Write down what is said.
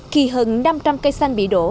khi hơn năm trăm linh cây xanh bị đổ